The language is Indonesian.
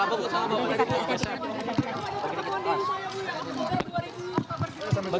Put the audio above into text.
bagi jalan bang